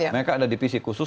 mereka ada divisi khusus